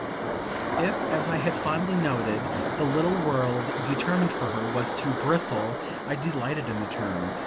If, as I had fondly noted, the little world determined for her was to "bristle" I delighted in the term!